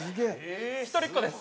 一人っ子です。